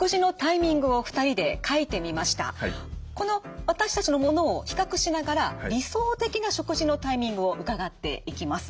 この私たちのものを比較しながら理想的な食事のタイミングを伺っていきます。